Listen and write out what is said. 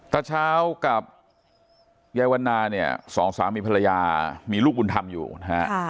เช้ากับยายวันนาเนี่ยสองสามีภรรยามีลูกบุญธรรมอยู่นะฮะ